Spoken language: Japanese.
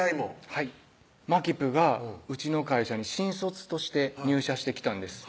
はいまきぷがうちの会社に新卒として入社してきたんです